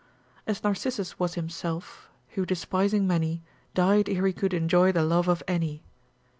As Narcissus was himself, ———Who despising many. Died ere he could enjoy the love of any.